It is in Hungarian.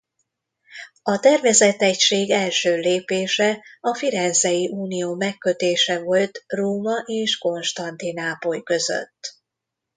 A tervezett egység első lépése a firenzei unió megkötése volt Róma és Konstantinápoly között.